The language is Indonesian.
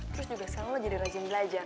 terus juga sekarang jadi rajin belajar